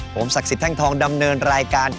ผมศักดิ์สิทธิแท่งทองดำเนินรายการ